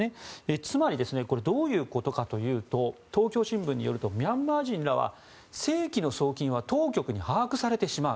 つまりどういうことかというと東京新聞によるとミャンマー人は正規の送金は当局に把握されてしまう。